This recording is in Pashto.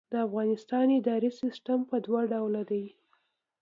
د افغانستان اداري سیسټم په دوه ډوله دی.